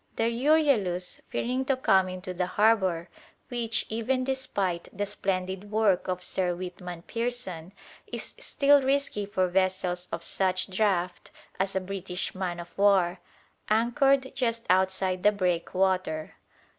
The "Euryalus," fearing to come into the harbour, which, even despite the splendid work of Sir Weetman Pearson, is still risky for vessels of such draught as a British man of war, anchored just outside the breakwater.